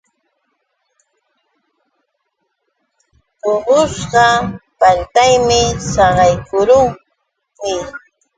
Puqushqa paltaymi saqaykurqun.